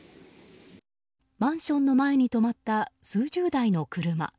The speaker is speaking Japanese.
マンションの前に止まった数十台の車。